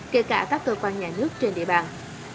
kể cả các cơ quan nhà nước trên địa bàn